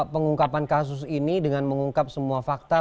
pengungkapan kasus ini dengan mengungkap semua fakta